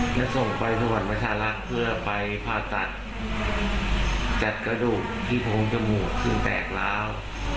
และส่งไปสวรรค์ประชารักษ์เพื่อไปผ่าตัดจัดกระดูกที่โพงจมูกซึ่งแตกร้าว